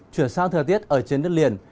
chuyển sang thời tiết ở trên đất liền